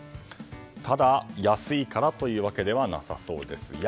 ただ、安いからというわけではなさそうです。